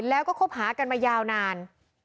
แล้วก็คบหากันมายาวนาน